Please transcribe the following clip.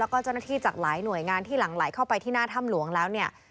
แล้วก็เจ้าหน้าที่จากหลายหน่วยงานที่หลั่งไหลเข้าไปที่หน้าถ้ำหลวงแล้วเนี่ย